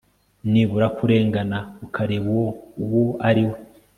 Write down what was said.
Nibura kurengana ukareba uwo ari we